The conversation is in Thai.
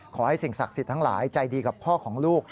สิ่งศักดิ์สิทธิ์ทั้งหลายใจดีกับพ่อของลูก